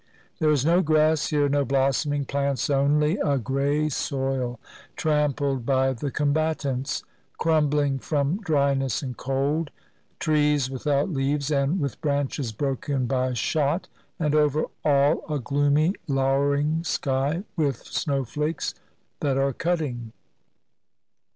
There is no grass here, no blossoming plants, only a gray soil trampled by the combatants, — crumbling from dryness and cold, — trees without leaves and with branches broken by shot, and over all a gloomy, lowering sky, with snowflakes that are cutting.